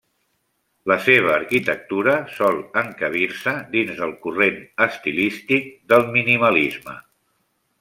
La seva arquitectura sol encabir-se dins del corrent estilístic del minimalisme.